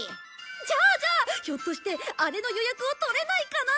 じゃあじゃあひょっとしてあれの予約を取れないかな？